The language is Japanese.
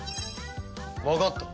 わかった。